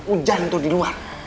ujan tuh di luar